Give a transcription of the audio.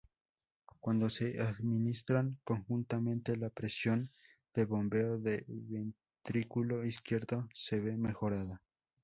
Cuando se administran conjuntamente, la presión de bombeo del ventrículo izquierdo se ve mejorada.